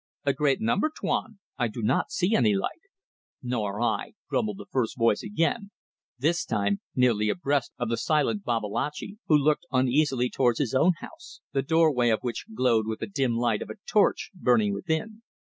"A great number, Tuan ... I do not see any light." "Nor I," grumbled the first voice again, this time nearly abreast of the silent Babalatchi who looked uneasily towards his own house, the doorway of which glowed with the dim light of a torch burning within.